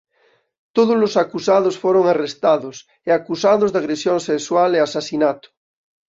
Tódolos acusados foron arrestados e acusados de agresión sexual e asasinato.